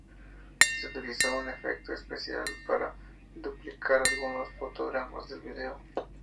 Se utilizó un efecto especial para duplicar algunos fotogramas del video.